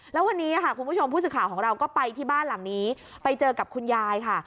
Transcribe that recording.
แล้ววันนี้ค่ะคุณผู้ชมผู้สื่อข่าวของเราก็ไปที่บ้านหลังนี้ไปเจอกับคุณยายค่ะ